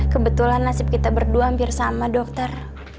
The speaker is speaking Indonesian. kebetulan nasib kita berdua hampir sama dokter